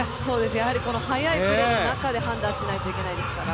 やはり速いプレーの中で判断しないといけないので。